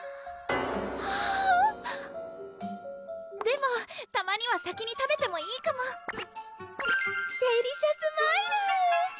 あぁでもたまには先に食べてもいいかもデリシャスマイル！